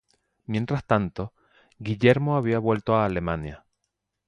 Mientras tanto, Guillermo había vuelto a Alemania.